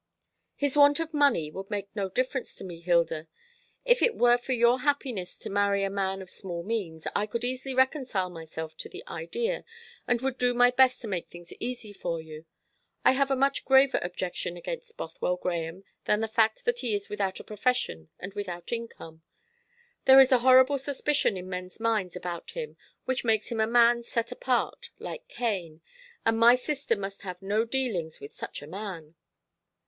"His want of money would make no difference to me, Hilda. If it were for your happiness to marry a man of small means, I could easily reconcile myself to the idea, and would do my best to make things easy for you. I have a much graver objection against Bothwell Grahame than the fact that he is without a profession and without income. There is a horrible suspicion in men's minds about him which makes him a man set apart, like Cain; and my sister must have no dealings with such a man!"